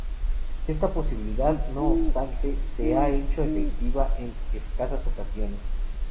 Esta posibilidad, no obstante, se ha hecho efectiva en escasas ocasiones.